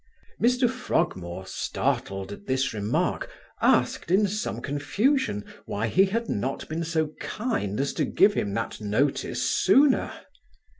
Mr Frogmore startled at this remark, asked, in some confusion, why he had not been so kind as to give him that notice sooner.